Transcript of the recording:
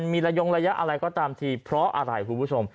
มีระยงระยะอะไรก็ตามทีเพราะอะไรคุณผู้ชม